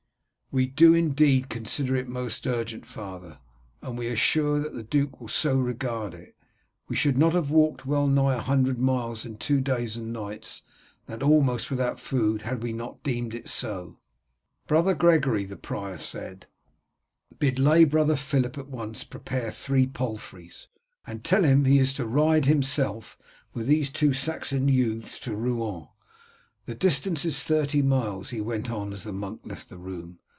"We do indeed consider it most urgent, father, and we are sure that the duke will so regard it. We should not have walked well nigh a hundred miles in two days and nights, and that almost without food, had we not deemed it so." "Brother Gregory," the prior said, "bid lay brother Philip at once prepare three palfreys, and tell him he is to ride himself with these two Saxon youths to Rouen. The distance is thirty miles," he went on as the monk left the room.